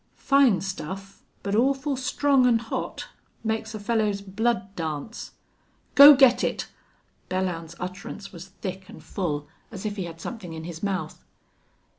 "Fine stuff, but awful strong an' hot!... Makes a fellow's blood dance." "Go get it!" Belllounds's utterance was thick and full, as if he had something in his mouth.